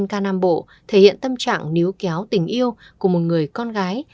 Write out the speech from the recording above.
nhạc phẩm của dân ca nam bộ thể hiện tâm trạng níu kéo tình yêu của một người con gái